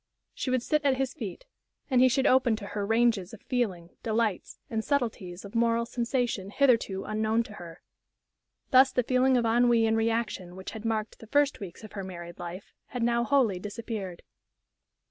She would sit at his feet, and he should open to her ranges of feeling, delights, and subtleties of moral sensation hitherto unknown to her. Thus the feeling of ennui and reaction which had marked the first weeks of her married life had now wholly disappeared.